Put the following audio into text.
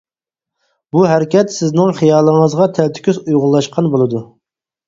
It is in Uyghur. بۇ ھەرىكەت سىزنىڭ خىيالىڭىزغا تەلتۆكۈس ئۇيغۇنلاشقان بولىدۇ.